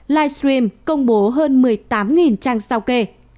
livestream công bố hơn một mươi tám trang sao kê